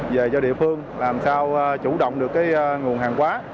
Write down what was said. về cho địa phương làm sao chủ động được nguồn hàng quá